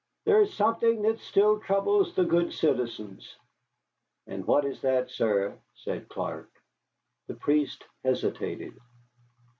"There is something that still troubles the good citizens." "And what is that, sir?" said Clark. The priest hesitated.